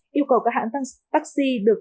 yêu cầu các hãng taxi được